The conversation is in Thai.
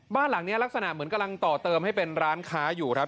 บ้านหลังนี้ลักษณะเหมือนกำลังต่อเติมให้เป็นร้านค้าอยู่ครับ